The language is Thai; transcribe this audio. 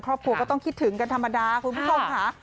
ครอบครัวก็ต้องคิดถึงกันธรรมดาคุณผู้ชมค่ะ